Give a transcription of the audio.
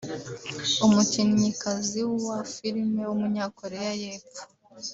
umukinnyikazi wa filime w’umunyakoreya y’epfo